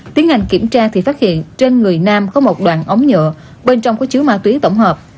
tiến hành kiểm tra thì phát hiện trên người nam có một đoạn ống nhựa bên trong có chứa ma túy tổng hợp